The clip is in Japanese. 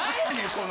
その。